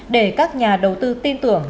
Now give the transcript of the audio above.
để các nhà đầu tư tin tưởng